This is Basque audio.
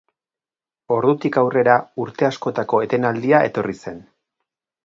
Ordutik aurrera urte askotako etenaldia etorri zen.